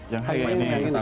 yang high ini